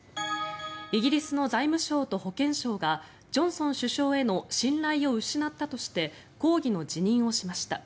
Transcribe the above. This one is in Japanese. イギリスの財務相と保健相がジョンソン首相への信頼を失ったとして抗議の辞任をしました。